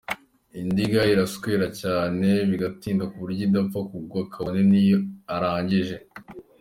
Indiga iraswera cyane bigatinda ku buryo idapfa kugwa kabone niyo arangije.